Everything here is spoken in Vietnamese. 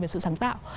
về sự sáng tạo